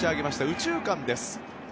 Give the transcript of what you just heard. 右中間です。